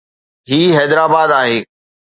هي حيدرآباد آهي